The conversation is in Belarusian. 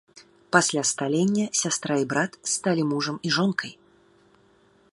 Пасля сталення сястра і брат сталі мужам і жонкай.